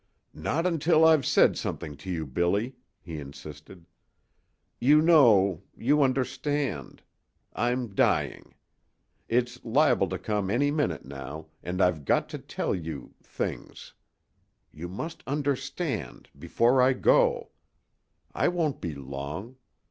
"Not until I've said something to you, Billy," he insisted. "You know you understand. I'm dying. It's liable to come any minute now, and I've got to tell you things. You must understand before I go. I won't be long.